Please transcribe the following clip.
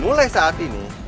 mulai saat ini